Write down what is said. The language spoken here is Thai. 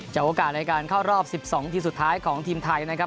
โอกาสในการเข้ารอบ๑๒ทีมสุดท้ายของทีมไทยนะครับ